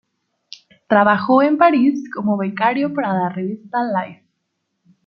Trabajó en París como becario para la revista "Life".